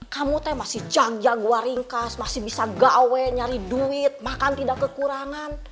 kamu teh masih jag jagwa ringkas masih bisa gawe nyari duit makan tidak kekurangan